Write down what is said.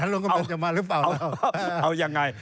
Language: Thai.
ลุงกำลังจะมาหรือเปล่าแล้วเอายังไง